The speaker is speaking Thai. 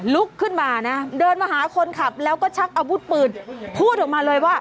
ลุกขึ้นมานะเดินมาหาคนขับแล้วก็ชักอาวุธปืนพูดออกมาเลยว่า